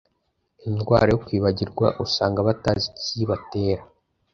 indwara yo kwibagirwa usanga batazi ikiyibatera